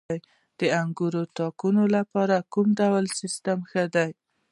د انګورو د تاکونو لپاره کوم ډول سیستم ښه دی؟